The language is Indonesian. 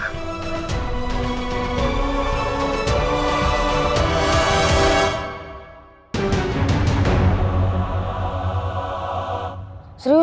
tuhan tuhan tuhan